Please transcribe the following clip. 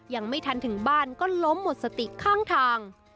ยังไม่ทันถึงบ้านก็ล้มหมดสติข้างทาง